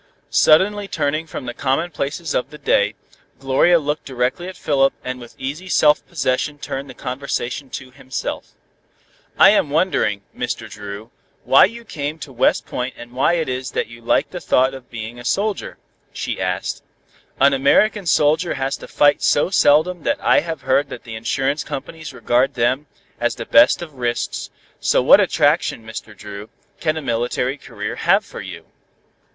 Suddenly turning from the commonplaces of the day, Gloria looked directly at Philip, and with easy self possession turned the conversation to himself. "I am wondering, Mr. Dru, why you came to West Point and why it is you like the thought of being a soldier?" she asked. "An American soldier has to fight so seldom that I have heard that the insurance companies regard them as the best of risks, so what attraction, Mr. Dru, can a military career have for you?"